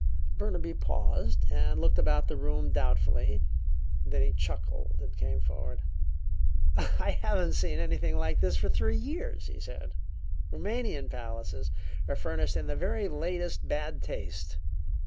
Burnaby paused and looked about the room doubtfully, then he chuckled and came forward. "I haven't seen anything like this for three years," he said. "Roumanian palaces are furnished in the very latest bad taste."